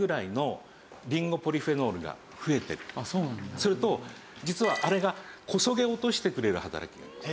すると実はあれがこそげ落としてくれる働きがあります。